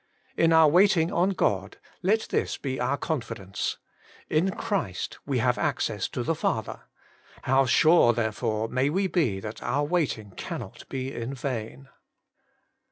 In our waiting on God, let this be our confidence ; 128 WAITING ON GOD/ in Christ we have access to the Father ; how sure, therefore, may we be that our waiting cannot be vain.